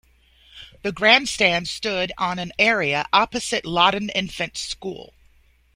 The grandstand stood on an area opposite Loddon Infant School.